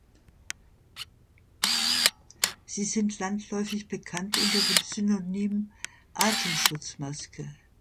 Sie sind landläufig bekannt unter dem Synonym „Atemschutzmaske“.